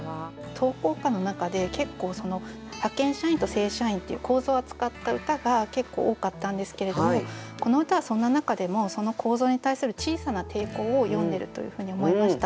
投稿歌の中で結構派遣社員と正社員っていう構造を扱った歌が結構多かったんですけれどもこの歌はそんな中でもその構造に対する小さな抵抗を詠んでるというふうに思いました。